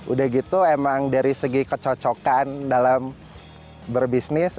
udah gitu emang dari segi kecocokan dalam berbisnis